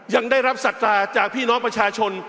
ยังได้รับศรัทธาจากพี่น้องประชาชน